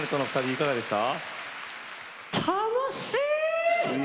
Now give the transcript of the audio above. いかがでした？